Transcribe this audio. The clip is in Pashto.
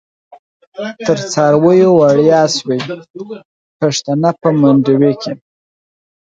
تر څارویو وړیاشوی، پیښتنه په منډوی کی